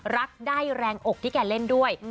รักได้แรงอกที่แกเล่นด้วย